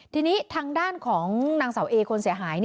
ทีนี้ทางด้านของนางเสาเอคนเสียหาย